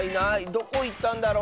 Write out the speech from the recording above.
どこいったんだろ。